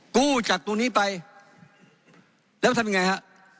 กู้จากตัวนี้ไปแล้วทำยังไงฮะ